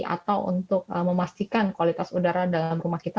atau untuk memastikan kualitas udara dalam rumah kita